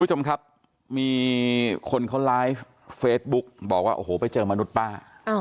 คุณผู้ชมครับมีคนเขาไลฟ์เฟซบุ๊กบอกว่าโอ้โหไปเจอมนุษย์ป้า